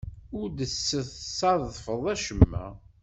Ur d-tessadfeḍ acemma.